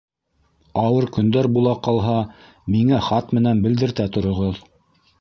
Ауыр көндәр була ҡалһа, миңә хат менән белдерта тороғоҙ.